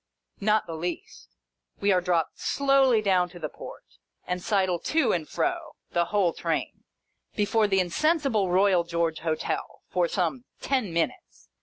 Not the least. We are dropped slowly down to the Port, and sidle to and fro (the whole Train) before the insensible Royal George Hotel, for some ten minutes.